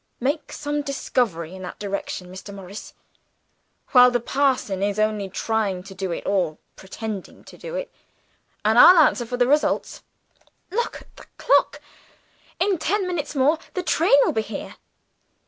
Make some discovery in that direction, Mr. Morris, while the parson is only trying to do it or pretending to do it and I'll answer for the result. Look at the clock! In ten minutes more the train will be here.